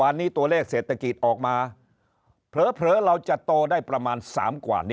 วันนี้ตัวเลขเศรษฐกิจออกมาเผลอเราจะโตได้ประมาณ๓กว่า